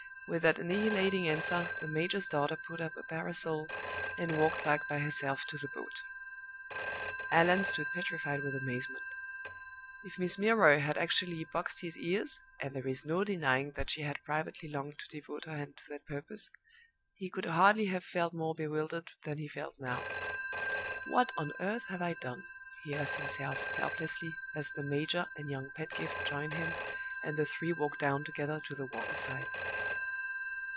With that annihilating answer the major's daughter put up her parasol and walked back by herself to the boat. Allan stood petrified with amazement. If Miss Milroy had actually boxed his ears (and there is no denying that she had privately longed to devote her hand to that purpose), he could hardly have felt more bewildered than he felt now. "What on earth have I done?" he asked himself, helplessly, as the major and young Pedgift joined him, and the three walked down together to the water side.